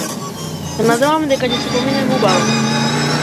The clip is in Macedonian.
Се надеваме дека ќе си поминеме убаво.